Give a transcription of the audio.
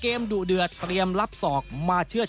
เตรียมป้องกันแชมป์ที่ไทยรัฐไฟล์นี้โดยเฉพาะ